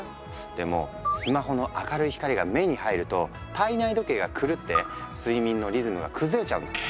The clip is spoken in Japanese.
でもスマホの明るい光が目に入ると体内時計が狂って睡眠のリズムが崩れちゃうんだって。